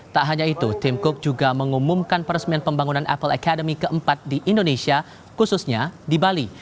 tak hanya itu tim cook juga mengumumkan peresmian pembangunan apple academy keempat di indonesia khususnya di bali